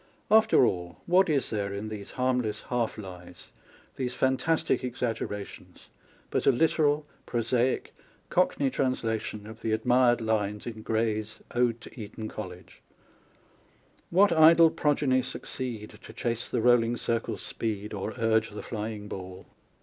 After all, what is there in these harmless half lies, these fantastic exaggera tions, but a literal, prosaic, Cockney translation of the admired lines in Gray's Ode to Eton College : What idle progeny succeed To chase the rolling circle's speed Or urge the flying ball